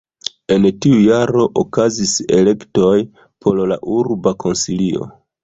En tiu jaro okazis elektoj por la urba konsilio.